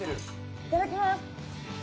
いただきます。